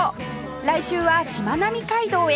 来週はしまなみ海道へ